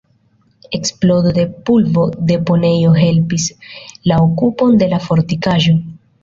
Eksplodo de pulvo-deponejo helpis la okupon de la fortikaĵo.